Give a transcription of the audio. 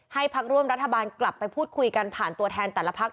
พักร่วมรัฐบาลกลับไปพูดคุยกันผ่านตัวแทนแต่ละพัก